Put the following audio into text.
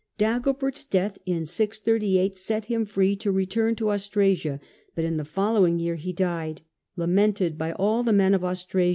Dagobert's death in 638 set him free to return to Austrasia, but in the fol lowing year he died, "lamented by all the men of Austrasia